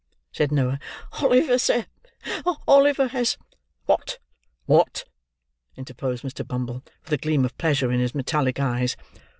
said Noah: "Oliver, sir,—Oliver has—" "What? What?" interposed Mr. Bumble: with a gleam of pleasure in his metallic eyes.